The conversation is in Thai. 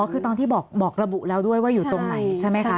คือตอนที่บอกระบุแล้วด้วยว่าอยู่ตรงไหนใช่ไหมคะ